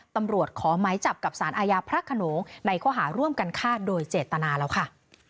ตำรวจขอไม้จับกับสารอาญาพระขนงในข้อหาร่วมกันฆ่าโดยเจตนาแล้วค่ะ